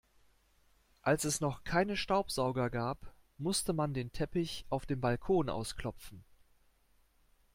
Als es noch keine Staubsauger gab, musste man den Teppich auf dem Balkon ausklopfen.